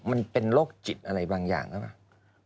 มันเป็นโรคจิตอะไรบางอย่างใช่ไหม